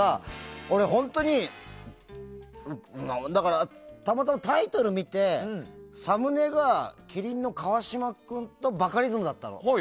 俺、本当にたまたまタイトルを見てサムネが麒麟の川島君とバカリズムだったの。